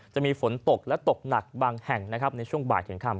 จะมีฝนตกและตกหนักบางแห่งนะครับในช่วงบ่ายถึงค่ำ